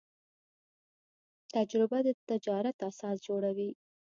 تجربه د تجارت اساس جوړوي.